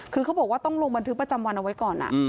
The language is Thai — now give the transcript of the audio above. คือเขาบอกว่าต้องลงบันทึกประจำวันเอาไว้ก่อน